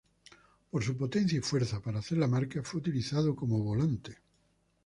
Por su potencia y fuerza para hacer la marca, fue utilizado como volante.